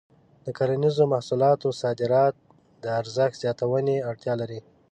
د کرنیزو محصولاتو صادرات د ارزښت زیاتونې اړتیا لري.